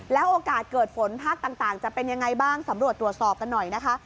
โอกาสเกิดฝนภาคต่างจะเป็นยังไงบ้างสำรวจตรวจสอบกันหน่อยนะคะ